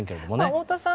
太田さん